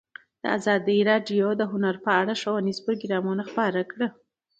ازادي راډیو د هنر په اړه ښوونیز پروګرامونه خپاره کړي.